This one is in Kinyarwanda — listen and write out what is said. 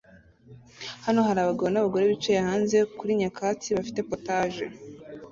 Hano hari abagabo n'abagore bicaye hanze kuri nyakatsi bafite POTAGE